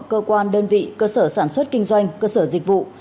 cơ quan đơn vị cơ sở sản xuất kinh doanh cơ sở dịch vụ